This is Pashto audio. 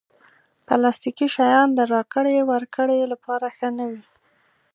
پلاستيکي شیان د راکړې ورکړې لپاره ښه نه وي.